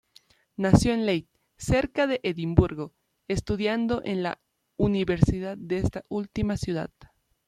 Nació en Leith, cerca de Edimburgo, estudiando en la universidad de esta última ciudad.